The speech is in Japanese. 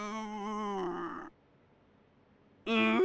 うん。